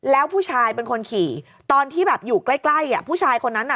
แล้วผู้ชายเป็นคนขี่ตอนที่แบบอยู่ใกล้ผู้ชายคนนั้นน่ะ